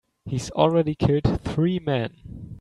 He's already killed three men.